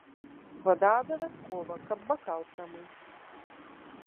Вада абавязкова, каб бакал прамыць.